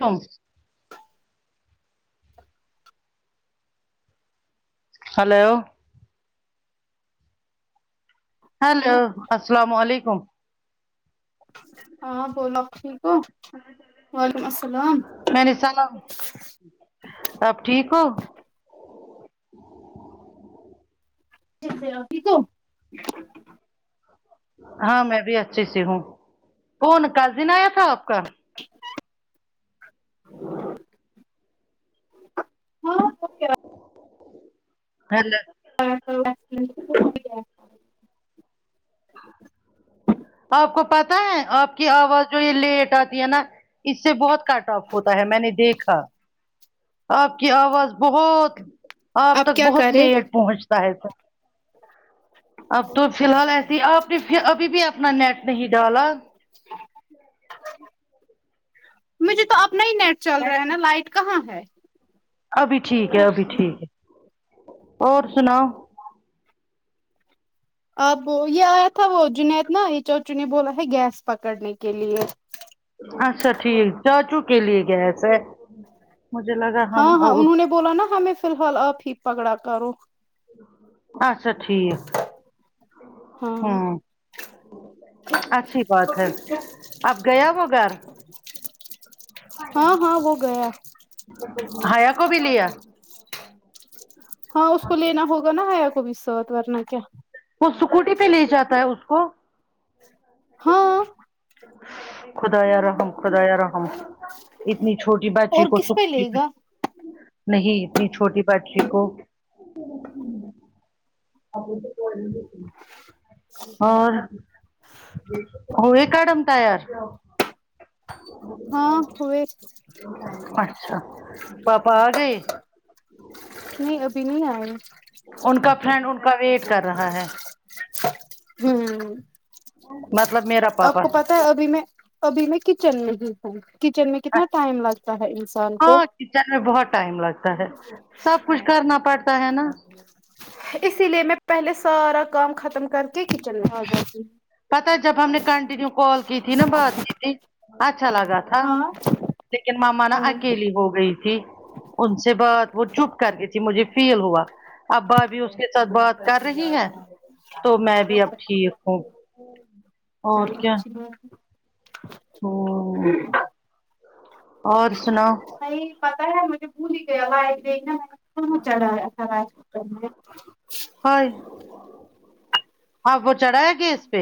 تو hello hello السلام علیکم ہاں بولو آپ ٹھیک ہو وعلیکم السلام میں نے سنگ آو اب ٹھیک ہو میں ٹھیک ہوں آپ ٹھیک ہوں ہاں میں بھی اچھی سے ہوں کون کازن آیا تھا آپ کا ہاں، ہلو آپ کو پتہ ہے آپ کی آواز جو یہ لیٹ آتی ہے نا اس سے بہت کٹ آف ہوتا ہے میں نے دیکھا آپ کی آواز بہت آپ تک کیا بہت کرے لیٹ پہنچتا ہے وہ اب تو فی الحال ایسیے ہی آپ نے ابھی بھی اپنا نیٹ نہیں ڈالا مجھے تو اپنا ہی نیٹ چل رہا ہیں نا لائٹ کہاں ہے ابھی ٹھیک ہے ابھی ٹھیک ہے اور سناؤ آپ یہ آیا تھا وہ جنید نا یہ چاچو نے بولا ہے گیس پکڑنے کے لیے اچھا ٹھیک چاچو کے لیے گیس ہے مجھے لگا ہم ہاں ہاں انہوں نے بولا نا ہمیں فی الحال اب ہی پگڑا کرو اچھا ٹھیک ہاں ہوں اچھی بات ہے اب گیا وہ گھر ہاں ہاں وہ گیا بھیا کو بھی لیا ہاں اس کو لینا ہوگا نا ہیا کو بھی سا ورنا کیا وہ سکوٹی پہ لے جاتا ہے اس کو ہاں خدایا رحم خدایا رحم اتنی چھوٹی بچی اور کو کس سکوٹی لے پہ گا نہیں اتنی چھوٹی بچی کو [unintelligible] اب تو کو [unintelligible] اور ہوئے کڈم تیار ہاں ہوئے اچھا پاپا آ گئے نہیں ابھی نہیں آئے ان کا فرینڈ ان کا ویٹ کر رہا ہے امم مطلب میرا آپ پاپا کو پتہ ہے ابھی میں ابھی میں کچن میں ہی ہوں کچن میں کتنا ٹائم لگتا ہے انسان کو ہاں کچن میں بہت ٹائم لگتا ہے سب کچھ کرنا پڑتا ہے نا اسی لیے میں پہلے سارا کام ختم کر کے کچن میں آ جاتی ہوں پتا جب ہم نے کنٹینیو کال کی تھی نا بات کی تھی اچھا لگا تھا ہاں لیکن ماما نا ہاں اکیلی ہو گئی تھی ان سے بات وہ چپ کر کے تھی مجھے فیل ہوا ابا بھی اس کے سے بات کر رہی ہے تو میں بھی اب ٹھیک ہوں چلو اچھی بات ہے ہمم اور سناؤ نہیں پتا ہے مجھے بھول ہی گئی [unintelligible] آواز د ن میں کہاں چلاایا تھا راجپت میں [unintelligible] ہاں اب وہ چڑھائے گے اس پہ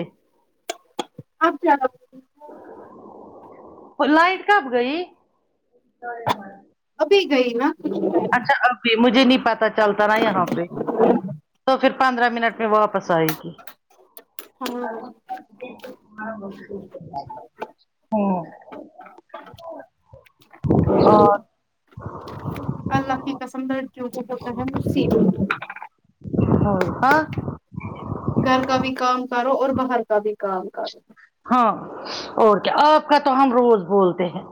آپ کیا لائٹ کب گئی ابھی گئی نا کچھ اچھا ابھی مجھے نہیں پتا چلتا نا یہاں پہ تو پھر پندرہ منٹ میں واپس آئے گی ہاں ہمم ہاں اللہ کی قسم درد جو ہوتا ہےف ہاں گھر کا بھی کام کرو اور باہر کا بھی کام کرو ہاں اور کیا آپ کا تو ہم روز بولتے ہیں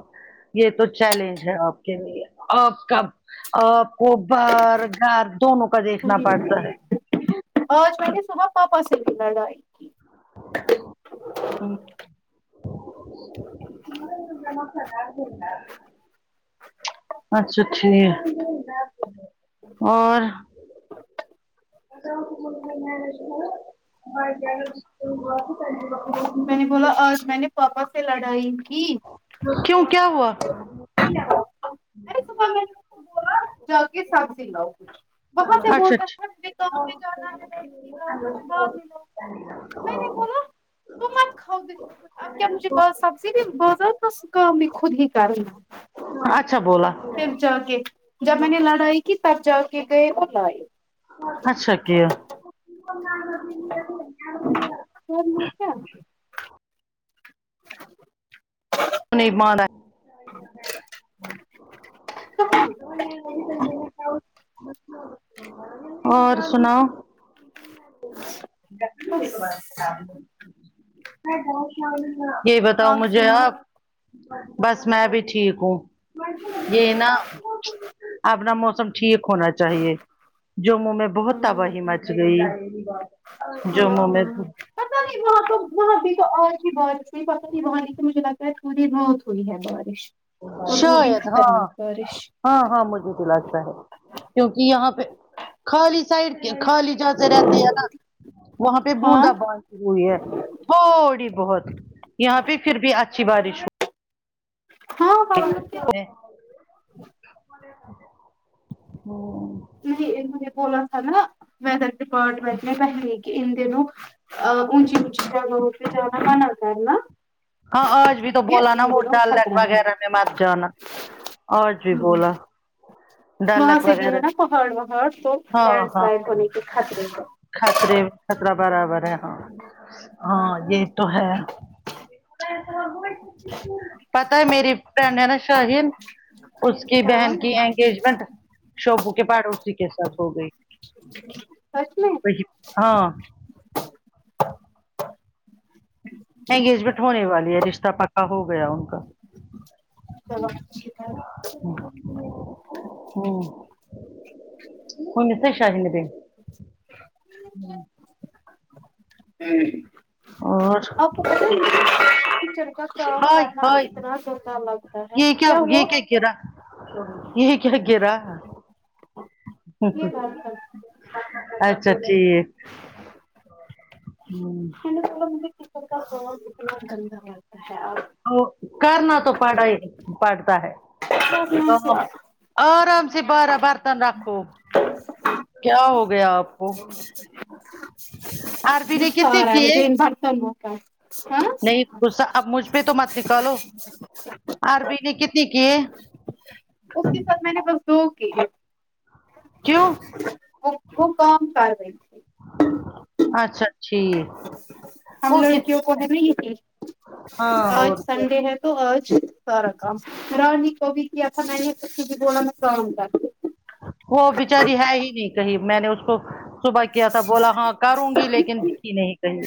یہ تو چیلنج ہے آپ کے لیے آپ کا آپ کو باہر گھر دونوں کا دیکھنا پڑتا ہے آج میں نے صبح پاپا سے بھی لڑائی کی اچھا ٹھیک ہے اور ا مش باں کیا [unintelligible] میں نے بولا آج میں نے پاپا سے لڑائی کی کیوں کیا ہوا ارے صبح میں نے انکو بولا جا کے سبزی لاؤ وہاں سے بولتا تھا میں بعد میں [unintelligible] تو مت کھاؤ فر اب کیا مجھے اب سبزی بھی بازار تو خود ہی کرنی اچھا بولا پھر جاکے جب میں نے لڑائی کی تب جاکے گئے اور لاے اچھا کیا [unintelligible] [unintelligible] نہیں پانا اور سناو دکھن بس [unintelligible] یہی بتاؤ مجھے آپ بس میں بھی ٹھیک ہوں یہ نا اپنا موسم ٹھیک ہونا چاہیے جموں میں بہت تباہی مچ ہاں گئی ہاں جموں میں ہاں پت نہیں وہاں تو وہاں بھی تو آج بھی بارش ہوئی پتہ نہیں وہاں سے مجھے لگتا ہے تھوڑی بہت ہوئی ہے بارش اور وہ بھی شاید ہاں خطرناک بارش ہاں ہاں مجھے تو لگتا ہے کیونکہ یہاں پہ خالی سائڈ کے خالی ج سے رہتی ہے نا وہاں پہ ہاں بوندا باند وہئی ہے تھوڑی بہت یہاں پہ پھر بھی اچھی بارش ہو ہاں ورنہ کیا ہ نہیں انہوں نے بولا تھا نا ودر ڈپارٹمنٹ میں پہلے کہ ان دنو ں ااونچی اونچی جگاو بہ جانا منا کر نا ہاں آج بھی تو بولا نا وہ ڈلنس خطرہ ہے وغیرہ میں مت جانا آج بھی بولا وہاں ڈالک سے بھی وغیرہ ہے نا پہاڑ وہاڑ تو ہاں لینڈ ہاں سلائڈ ہونے کے خطرے کو خطرے خطرا برابر ہے ہاں ہاں یہ تو ہے پتا ہے میری فرینڈ ہے نا شاہین اس کی ہاں بہن کی اینک منٹ شوبوں کے پڑوسی کے ساتھ ہو گئی سچ میں وہ ہاں انگیجمنٹ ہونے والی ہے رشتہ پکا ہو گیا ان کا چلو اچھی بات ہے ہوں اں سے شاہین ملےگی ہاں اور اپ کو پتہ ہے [unintelligible] کا کام ہائے کرنا اب ہائے اتنا گندا لگتا ہے یہ کیا ہوا یہ گرا یہ کیا گرا یہ بات کر اچھا ٹھیک میں نے بولا مجھے کچ کا کام اتنا گندا لگتا ہے اب کرنا تو پڑا ہی پڑتا ہے اب کام آرام سے بارہ برتن رکھو کیا ہو گیا آپ کو آربی نے کتنے کی برتن ب تا نہیں غصہ اب مجھ پہ تو مت نکالو آربی نے کتنی کیے اس کے ساتھ میں نے بس دو کی ہے کیوں وہ کام کر رہی ہے اچھا تھک ہم لڑکیوں کو ہے نہیں ہاں اور کیا سنڈے ہے تو آج سارا کام رانی کو بھی کیا تھا میں نےاسی نے بولا میں کام کر وہ بچاری ہے ہی نہیں کہیں میں نے اس کو صبح کیا تھا بولا ہاں کروں گی لیکن دکھی نہیں کہیں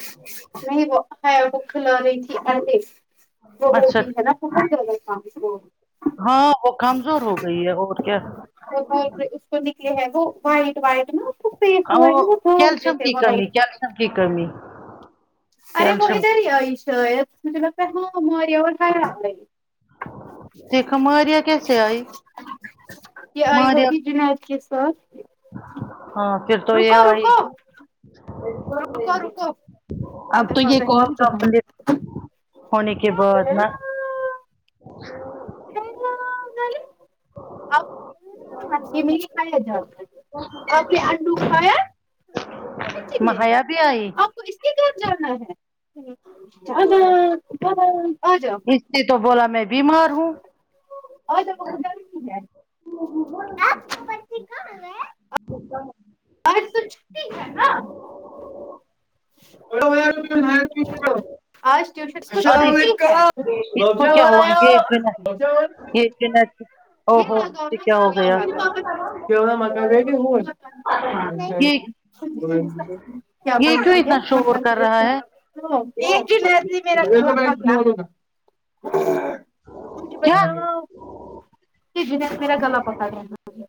نہیں وہ حیا کو کھلا رہی تھی آٹے وہ ہو اچھا گئی ہے ٹھیک، نا [unintelligible] ہاں وہ کمزور ہو گئی ہے اور کیا اس کو نکلے ہیں وہ وائٹ وائٹ نا اس کو فیس ہوا اور ہے وہ دو کیلشیم جیسے کی وائٹ کمی کیلشیم کی کمی ارے وہ کیلشیم ادھر ہی آئی شاہد مجھے لگتا ہے وہ ہمارے گھر اگائی د کماریا کیسے آئی یہ آئی ماریا ہوگی جنید کے ساتھ ہاں پھر تو یہ رکو آئی رکو رکو رکو اب تو یہ دروازہ ہے نا کال مجھے کمپلیٹ ہونے کے بند بعد ن [unintelligible] ج میں نہیں کھایا جات آپ نے انڈو کھایا سچی میں مہیا بھی آئی آپ کو کدھر جانا ہے آ جاؤ اس نے تو بولا میں بیمار ہوں اور وہ [unintelligible] [inaudible] آج تو چھوٹی ہے نا ب [unintelligible] [inaudible] آجٹیام اور اس ب کو کیا ہوا یہ جو نا ب ب کیا یہ جو نا او پا ہو اسے کیا ہو گیا مکائ ر گ ہوچ یہ یہ کیوں اتنا شور کر رہا ہے [unintelligible] [unintelligible] کیا [inaudible] یہ جنید میرا گلا پکڑ رہاتھا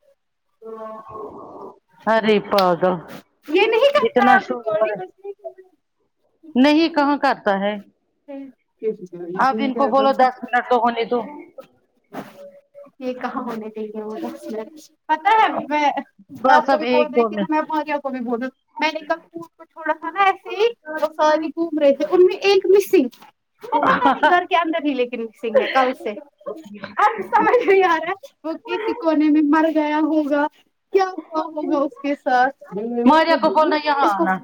ارے پاگل یہ نہیں کرتا اتنا ہے ش اب نہیں کہاں کرتا ہے آپ ان کو بولو ریکارڈنگ دس منٹ تو ہونے تو یہ کہاں ہونے دے گا وہ دس منٹ پتا ہے ا میں بس آپ کو اب بھی بول ایک رہی دو کہ نہ میں منٹ ماریہ کو بھی بول رہا ہ میں نے کہ تھوڑا سا نا ایسے ہی وہ سارے گھوم رہے تھے ان میں ایک مسنگ تھا وہ پتا نہیں گھر کے اندر ہی لیکن سنگ ہے کل سے اب یار ہے وہ کسی کونے میں مر گیا ہوگا کیا ہوا ہوگا اس کے ساتھ ماریا کو بولنا یہاں اس کو آنا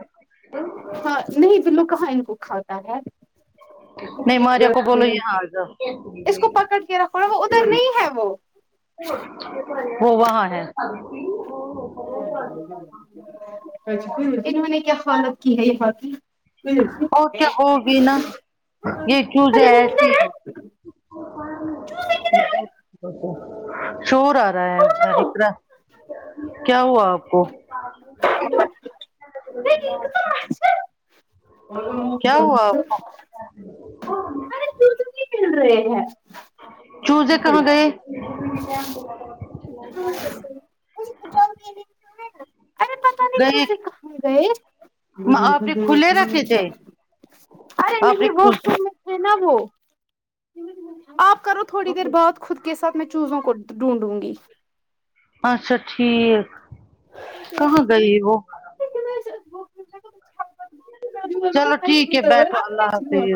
ہاں نہیں بلو کہاں ان کو کھاتا ہے [inaudible] نہیں ماریہ کو بولو یہاں آ جاؤ اس کو پکڑ کے رکھو نا وہ ادھر نہیں ہے وہ وہ وہاں ہے انہوں نے کیا حالت کی ہے یہاں کی اور کیا ہوگی نا یہ چوزیں ارے وہ ایسی کدھر ہے ہوگی چوزے کدھر ہے شور آ رہا ہے ہاں اقرا کیا ہوا آپ کو دیکھیے کتنا اچھا کیا ہوا آپ کو [inaudible] ارے [unintelligible] چوزے کہاں گئے ارے پتا نہیں گئے چوزے کہاں گئے آپ نے کھلے رکھے تھے آپ نے کھ نہ وہ آپ کرو تھوڑی دیر بات خود کے ساتھ میں چوزوں کو ڈھونڈوں گی اچھا ٹھیک کہاں گئی وہ کیوں کے میرے ساتھ وہ چلو ٹھیک ہے بیٹھو اللہ حافظ